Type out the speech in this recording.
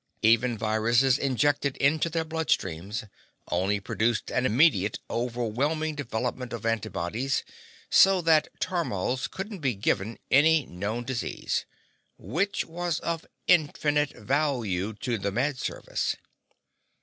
Even viruses injected into their bloodstreams only provoked an immediate, overwhelming development of antibodies, so that tormals couldn't be given any known disease. Which was of infinite value to the Med Service.